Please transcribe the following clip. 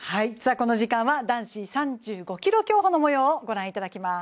この時間は男子３５ｋｍ競歩の模様をご覧いただきます。